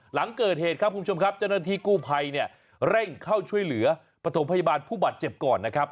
หลังเกิดเหตุครับคุณผู้ชมครับเจ้าหน้าที่กู้ภัยเนี่ยเร่งเข้าช่วยเหลือปฐมพยาบาลผู้บาดเจ็บก่อนนะครับ